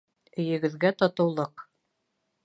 Өйөгөҙгә татыулыҡ!